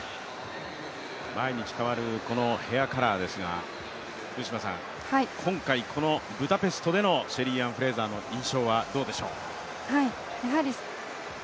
毎日変わるヘアカラーですが、今回、このブダペストでのシェリーアン・フレイザーの印象はどうでしょう。